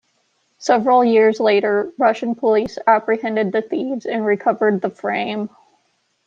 Several years later, Russian police apprehended the thieves and recovered the frame.